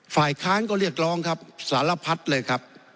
ฝ่ายค้านก็เรียกร้องครับสารพัดเลยครับ